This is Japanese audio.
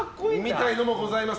みたいのもございます。